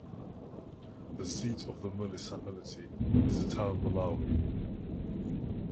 The seat of the municipality is the town Molaoi.